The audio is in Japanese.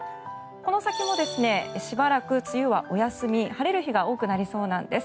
この先もしばらく梅雨はお休み晴れる日が多くなりそうです。